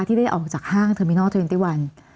ที่ได้ออกจากห้างเทอร์มินอล๒๑